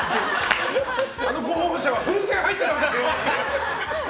あの候補者は風船入ってたぞって。